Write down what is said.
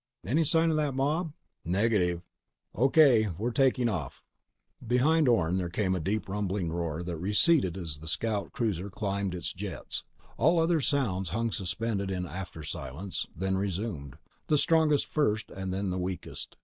"Any sign of that mob?" "Negative." "O.K. We're taking off." Behind Orne, there came a deep rumbling roar that receded as the scout cruiser climbed its jets. All other sounds hung suspended in after silence, then resumed: the strongest first and then the weakest.